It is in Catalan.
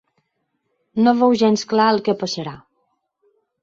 No veu gens clar el que passarà.